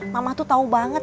mama tuh tau banget